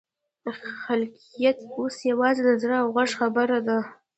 خلاقیت اوس یوازې د زړه او غږ خبره ده.